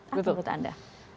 apa menurut anda